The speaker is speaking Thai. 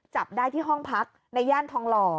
จับได้ที่ห้องพักในย่านทองหล่อ